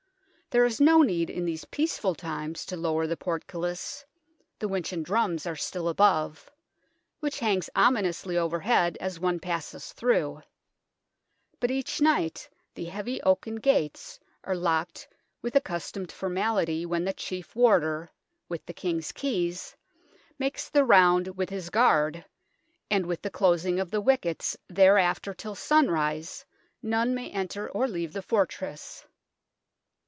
There is no need in these peaceful times to lower the portcullis the winch and drums are still above which hangs ominously overhead as one passes through ; but each night the heavy oaken gates are locked with accustomed formality when the Chief Warder, with the King's keys, makes the round with his guard, and with the closing of the wickets thereafter till sunrise none may enter or leave the fortress.